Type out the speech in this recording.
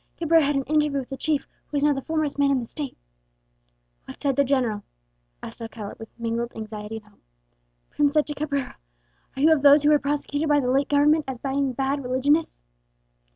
"Cabrera had an interview with the chief who is now the foremost man in the State " "What said the general?" asked Alcala, with mingled anxiety and hope. "Prim said to Cabrera, 'Are you of those who were prosecuted by the late Government as being bad religionists?'